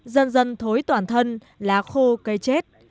dần dần thối toàn thân lá khô cây chết